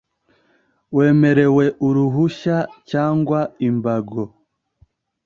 Uwemerewe uruhushya cyangwa imbago